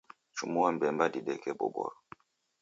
Chumua mbemba dideke boboro